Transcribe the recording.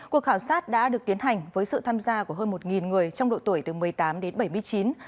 cuộc khảo sát đã được tiến hành với sự tham gia của hơn một người trong độ tuổi từ một mươi tám đến bảy mươi chín